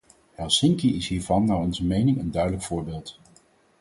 Helsinki is hiervan naar onze mening een duidelijk voorbeeld.